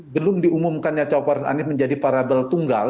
belum diumumkannya cawapres anis menjadi variabel tunggal